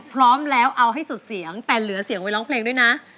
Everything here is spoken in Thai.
พร้อมแล้วเอาให้สุดเสียงแต่เหลือเสียงไว้ร้องเพลงด้วยนะ